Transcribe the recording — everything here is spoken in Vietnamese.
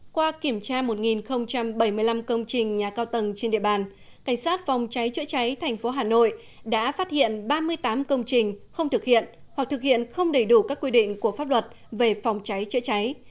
qua kiểm tra một bảy mươi năm công trình nhà cao tầng trên địa bàn cảnh sát phòng cháy chữa cháy thành phố hà nội đã phát hiện ba mươi tám công trình không thực hiện hoặc thực hiện không đầy đủ các quy định của pháp luật về phòng cháy chữa cháy